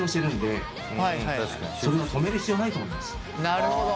なるほど。